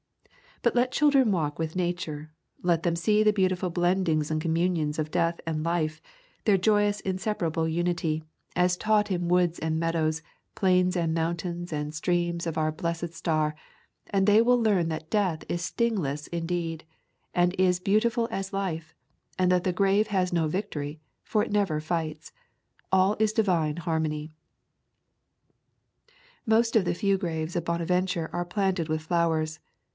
But let children walk with Nature, let them see the beautiful blendings and communions of death and life, their joyous inseparable unity, [ 70 ] Camping among the Tombs as taught in woods and meadows, plains and mountains and streams of our blessed star, and they will learn that death is stingless indeed, and as beautiful as life, and that the grave has no victory, for it never fights. All is divine harmony. Most of the few graves of Bonaventure are planted with flowers.